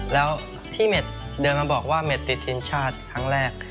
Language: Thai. แล้วที่เม็ดเดินมาบอกว่าเม็ดติดทีมชาติครั้งแรก